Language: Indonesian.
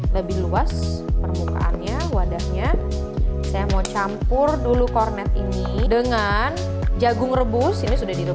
lebih luas permukaannya wadahnya saya mau campur dulu kornet ini dengan jagung rebus ini sudah di